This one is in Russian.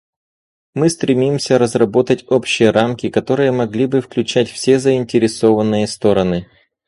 Мы стремимся разработать общие рамки, которые могли бы включать все заинтересованные стороны.